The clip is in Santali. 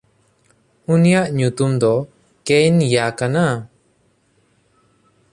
ᱩᱱᱤᱭᱟᱜ ᱧᱩᱛᱩᱢ ᱫᱚ ᱠᱮᱭᱤᱱᱭᱟ ᱠᱟᱱᱟ᱾